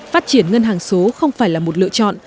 phát triển ngân hàng số không phải là một lựa chọn